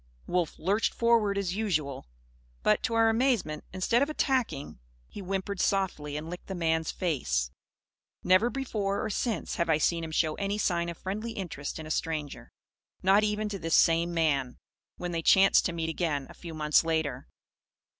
Wolf lurched forward, as usual. But, to our amazement, instead of attacking, he whimpered softly and licked the man's face. Never before or since, have I seen him show any sign of friendly interest in a stranger not even to this same man, when they chanced to meet again, a few months later.